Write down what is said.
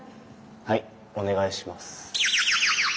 はいお願いします。